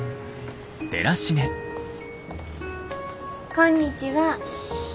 こんにちは。シッ。